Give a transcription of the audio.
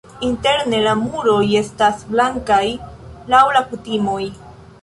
Interne la muroj estas blankaj laŭ la kutimoj.